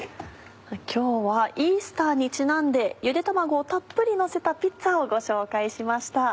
今日はイースターにちなんでゆで卵をたっぷりのせたピッツァをご紹介しました。